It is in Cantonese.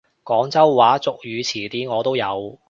廣州話俗語詞典我都有！